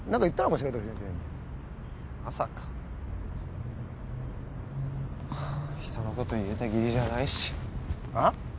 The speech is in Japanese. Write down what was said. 白鳥先生にまさか人のこと言えた義理じゃないしはッ？